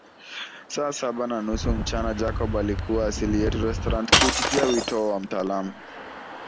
Saa saba na nusu mchana Jacob alikuwa asili yetu restaurant kuitikia wito wa mtaalamu